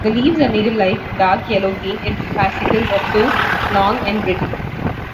The leaves are needle-like, dark yellow-green, in fascicles of two, long, and brittle.